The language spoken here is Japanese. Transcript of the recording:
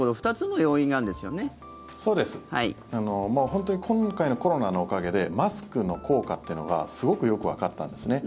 本当に今回のコロナのおかげでマスクの効果というのがすごくよくわかったんですね。